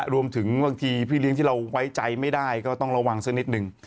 รวมถึงบางทีพี่เลี้ยงที่เราไว้ใจไม่ได้ก็ต้องระวังสักนิดนึง